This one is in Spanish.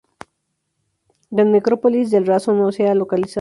La necrópolis de El Raso no se ha localizado.